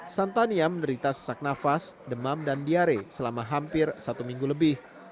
santania menderita sesak nafas demam dan diare selama hampir satu minggu lebih